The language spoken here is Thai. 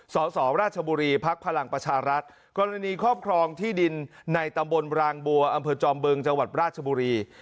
สสราชบุรีพภลังประชารัฐกรณีครอบครองที่ดินในตำบลรางบัวอจอมเบิงจราชบุรี